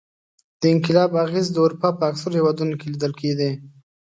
د انقلاب اغېزې د اروپا په اکثرو هېوادونو کې لیدل کېدې.